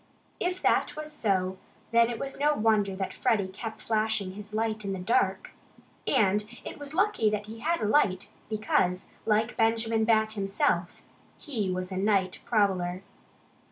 If that was so, then it was no wonder that Freddie kept flashing his light in the dark. And it was lucky that he had a light, because like Benjamin Bat himself he was a night prowler.